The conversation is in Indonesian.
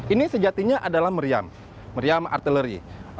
ini sejatinya adalah meriam meriam artileri